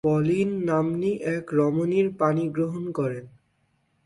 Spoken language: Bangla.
পলিন নাম্নী এক রমণীর পাণিগ্রহণ করেন।